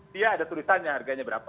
dia ada tulisannya harganya berapa